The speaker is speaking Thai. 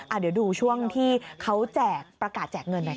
เดี๋ยวดูช่วงที่เขาแจกประกาศแจกเงินหน่อยค่ะ